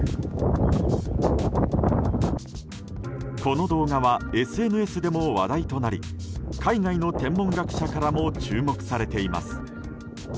この動画はＳＮＳでも話題となり海外の天文学者からも注目されています。